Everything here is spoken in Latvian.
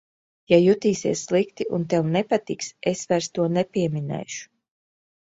Ja jutīsies slikti un tev nepatiks, es vairs to nepieminēšu.